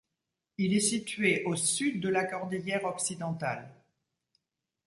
Il est situé au sud de la Cordillère Occidentale.